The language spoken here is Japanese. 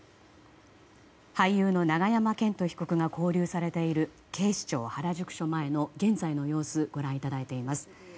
俳優の永山絢斗被告が勾留されている警視庁原宿署前の現在の様子ご覧いただいています。